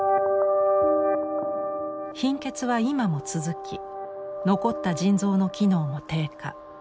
貧血は今も続き残った腎臓の機能も低下。